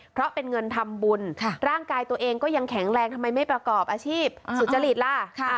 เพราะเป็นเงินทำบุญร่างกายตัวเองก็ยังแข็งแรงทำไมไม่ประกอบอาชีพสุจริตล่ะ